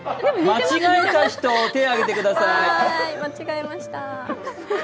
間違えた人、手上げてください。